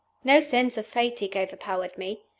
No sense of fatigue overpowered me.